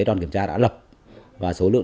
đoàn kiểm tra đã lập và số lượng